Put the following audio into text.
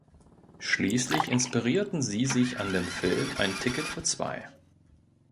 Schließlich inspirierten sie sich an dem Film "Ein Ticket für Zwei".